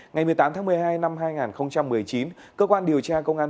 ngày một mươi tám tháng một mươi hai năm hai nghìn một mươi chín cơ quan điều tra công an